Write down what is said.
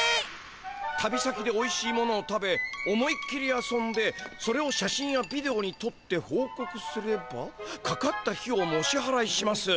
「旅先で美味しいものを食べ思いっきり遊んでそれを写真やビデオに撮ってほうこくすればかかった費用もお支払いします」。